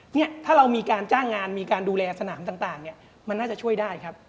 เนี่ยถ้าเรามีการจ้างงานมีการดูแลสนามต่างเนี่ยมันน่าจะช่วยได้ครับ